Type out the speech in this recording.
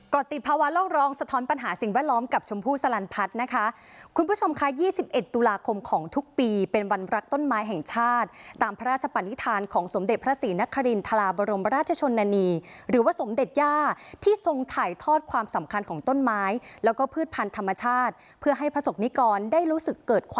ติดภาวะโลกร้องสะท้อนปัญหาสิ่งแวดล้อมกับชมพู่สลันพัฒน์นะคะคุณผู้ชมค่ะ๒๑ตุลาคมของทุกปีเป็นวันรักต้นไม้แห่งชาติตามพระราชปนิษฐานของสมเด็จพระศรีนครินทราบรมราชชนนานีหรือว่าสมเด็จย่าที่ทรงถ่ายทอดความสำคัญของต้นไม้แล้วก็พืชพันธ์ธรรมชาติเพื่อให้ประสบนิกรได้รู้สึกค